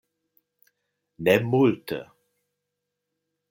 Ne multe.